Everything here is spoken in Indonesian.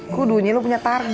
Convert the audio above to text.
kudunya lo punya tarik